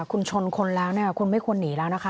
คุณชนคนแล้วเนี่ยคุณไม่ควรหนีแล้วนะคะ